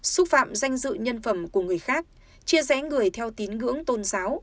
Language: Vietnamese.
xúc phạm danh dự nhân phẩm của người khác chia rẽ người theo tín ngưỡng tôn giáo